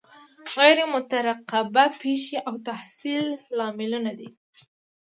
غیر مترقبه پیښې او تحصیل هم لاملونه دي.